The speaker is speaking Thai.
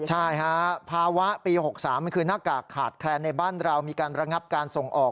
ใช่ฮะภาวะปี๖๓มันคือหน้ากากขาดแคลนในบ้านเรามีการระงับการส่งออก